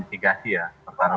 ya terhenti di situ upaya banding